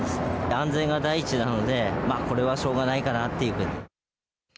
安全が第一なのでこれはしょうがないのかなというふうに。